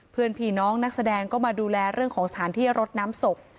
เพื่อนผีน้องนักแสดงก็มาดูแลเรื่องของสถานที่รดน้ำศพ